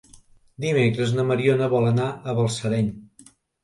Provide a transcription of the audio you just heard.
Dimecres na Mariona vol anar a Balsareny.